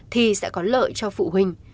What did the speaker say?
thì sẽ có lợi cho phụ huynh